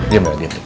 diam mak gitu